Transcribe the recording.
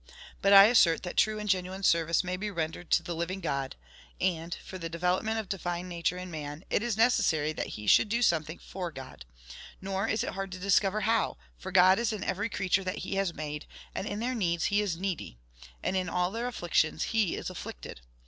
But I assert that true and genuine service may be rendered to the living God; and, for the development of the divine nature in man, it is necessary that he should do something for God. Nor is it hard to discover how; for God is in every creature that he has made, and in their needs he is needy, and in all their afflictions he is afflicted.